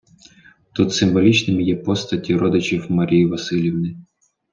Тут символічними є постаті родичів Марії Василівни.